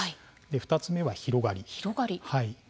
２つ目は、広がりです。